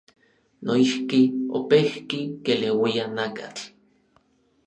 Noijki, opejki keleuia nakatl.